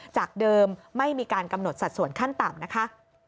จากเดิมไม่มีการกำหนดสัดส่วนขั้นต่ำนะคะ